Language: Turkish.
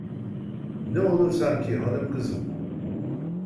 Ne olur sanki, hanım kızım…